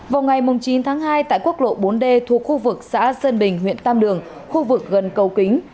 vào ngày chín tháng hai tại quốc lộ bốn d thuộc khu vực xã sơn bình huyện tam đường khu vực gần cầu kính